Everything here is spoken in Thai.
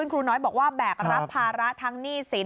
ครูน้อยบอกว่าแบกรับภาระทั้งหนี้สิน